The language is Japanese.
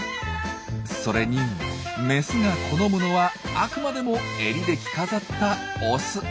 それにメスが好むのはあくまでもエリで着飾ったオス。